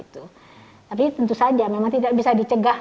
tapi tentu saja memang tidak bisa dicegah